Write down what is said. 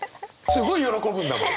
すごい喜ぶんだもん。